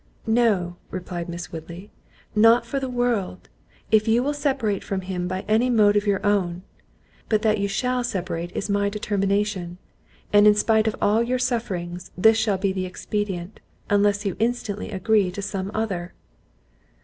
"No," replied Miss Woodley, "not for the world, if you will separate from him by any mode of your own—but that you shall separate is my determination; and in spite of all your sufferings, this shall be the expedient, unless you instantly agree to some other."